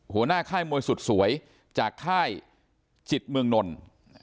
หัวหน้าค่ายมวยสุดสวยจากค่ายจิตเมืองนล